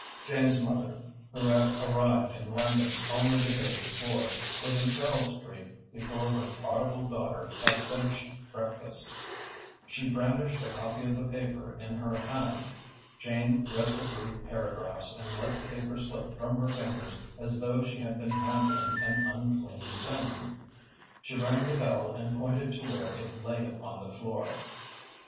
Jane's mother, who had arrived in London only the day before, was in Charles Street before her prodigal daughter had finished breakfast. She brandished a copy of the paper in her hand. Jane read the three paragraphs and let the paper slip from her fingers as though she had been handling an unclean thing. She rang the bell and pointed to where it lay upon the floor.